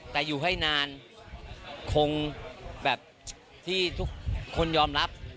แต่อยู่ให้นานคงแบบที่ทุกคนยอมรับ